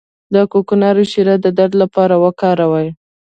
د کوکنارو شیره د درد لپاره وکاروئ